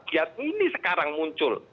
biar ini sekarang muncul